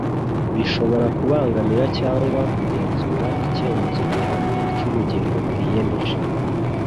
bishobora kubangamira cyangwa kugenzura icyemezo gihamye cy'ubugingo bwiyemeje.”